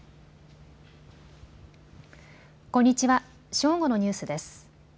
正午のニュースです。